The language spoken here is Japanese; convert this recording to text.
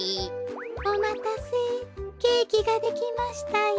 おまたせケーキができましたよ。